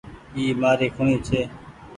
اي مآري کوڻي ڇي۔